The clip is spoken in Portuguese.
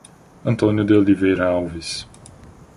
Antônio de Oliveira Alves